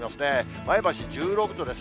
前橋１６度です。